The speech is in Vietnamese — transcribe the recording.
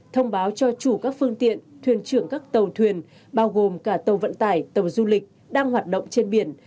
thông báo cho chủ các phương tiện thuyền trưởng các tàu thuyền bao gồm cả tàu vận tải tàu du lịch đang hoạt động trên biển